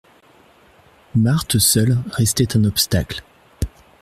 Marthe seule restait un obstacle.